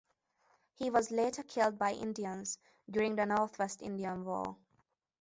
He was later killed by Indians during the Northwest Indian War.